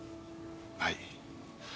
はい。